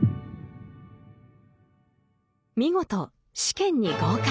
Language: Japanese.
見事試験に合格。